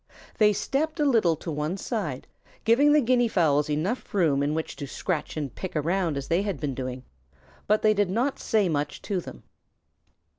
They stepped a little to one side, giving the Guinea fowls enough room in which to scratch and pick around as they had been doing, but they did not say much to them.